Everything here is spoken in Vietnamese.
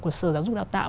của sở giáo dục đào tạo